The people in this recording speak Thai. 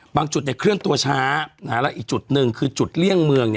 จุดเคลื่อนตัวช้าและอีกจุดหนึ่งคือจุดเลี่ยงเมือง